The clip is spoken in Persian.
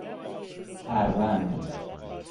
اَروند